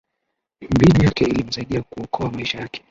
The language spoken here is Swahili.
mbinu yake ilimsaidia kuokoa maisha yake